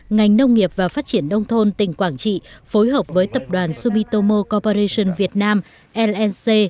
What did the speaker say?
ngành nông nghiệp và phát triển nông thôn tỉnh quảng trị phối hợp với tập đoàn sumitomo coperation việt nam rnc